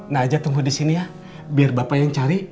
nah aja tunggu di sini ya biar bapak yang cari